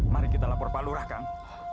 mari kita lapor palurah kang